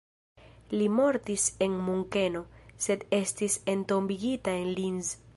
Li mortis en Munkeno, sed estis entombigita en Linz.